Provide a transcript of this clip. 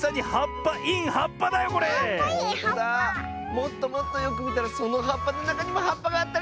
もっともっとよくみたらそのはっぱのなかにもはっぱがあったりして！